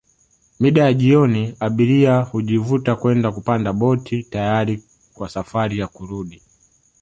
Mida ya jioni abiria hujivuta kwenda kupanda boti tayari kwa safari ya kurudi